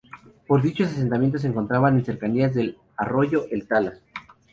Pero dichos asentamientos se encontraban en cercanías del arroyo El Tala.